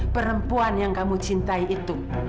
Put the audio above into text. perempuan yang kamu cintai itu